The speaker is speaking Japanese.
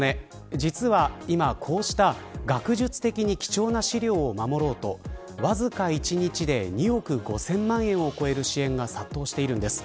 実は今、こうした学術的に貴重な資料を守ろうとわずか一日で２億５０００万円を超える支援が殺到しているんです。